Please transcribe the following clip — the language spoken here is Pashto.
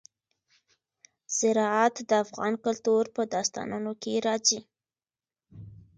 زراعت د افغان کلتور په داستانونو کې راځي.